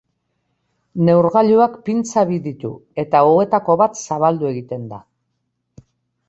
Neurgailuak pintza bi ditu, eta hauetako bat zabaldu egiten da.